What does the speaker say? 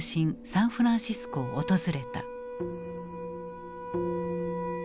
サンフランシスコを訪れた。